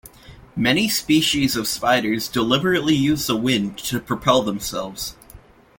Many species of spiders deliberately use the wind to propel themselves.